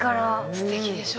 すてきでしょ？